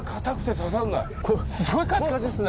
すごいカチカチっすね。